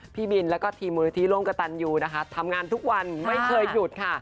พี่บินแล้วก็ทีมมูลนิธิร่วมกับตันยูนะคะทำงานทุกวันไม่เคยหยุดค่ะ